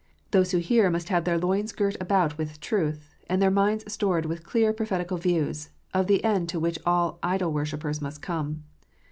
Those who hear must have their loins girt about with truth, and their minds stored with clear prophetical views of the end to which all idol worshippers must come.